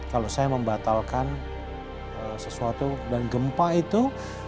kalau saya membatalkan sesuatu dan gempa itu